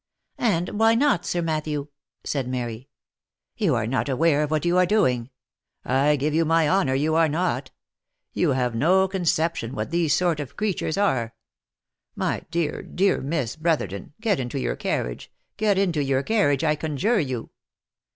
" And why not, Sir Matthew?" said Mary. " You are not aware of what you are doing; I give you my honour you are not. You have no conception what these sort of creatures are. My dear, dear Miss Brotherton, get into your carriage — get into your carriage, I conjure you